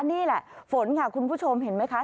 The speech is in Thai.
นี่แหละฝนค่ะคุณผู้ชมเห็นไหมคะ